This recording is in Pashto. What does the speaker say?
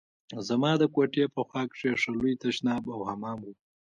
زما د کوټې په خوا کښې ښه لوى تشناب او حمام و.